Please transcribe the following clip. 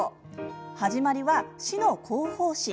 始まりは、市の広報誌。